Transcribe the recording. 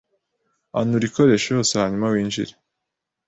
Anura iikoresho yose hanyuma winjire